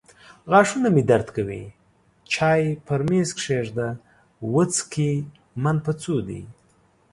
غاښونه مې درد کوي. چای پر مېز کښېږده. وڅکې من په څو دي.